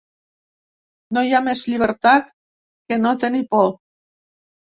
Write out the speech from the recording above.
No hi ha més llibertat que no tenir por.